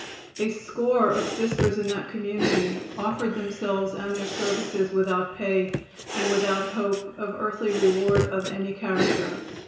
A score of Sisters in that community offered themselves and their services without pay and without hope of earthly reward of any character.